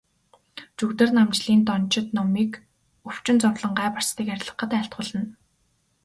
Жүгдэрнамжилын дончид номыг өвчин зовлон, гай барцдыг арилгахад айлтгуулна.